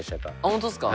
本当ですか。